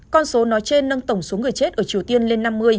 con số nói trên nâng tổng số người chết ở triều tiên lên năm mươi